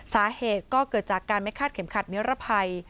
สาเหตุก็เกิดจากการไม่คาดเข็มขัดนิรภัย